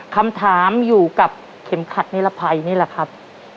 คำถามอยู่กับเข็มขัดนิรภัยนี่แหละครับ